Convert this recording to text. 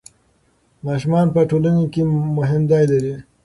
ماشومان په ټولنه کې مهم ځای لري.